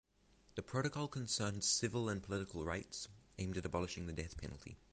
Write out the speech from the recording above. The protocol concerned civil and political rights aimed at abolishing the death penalty.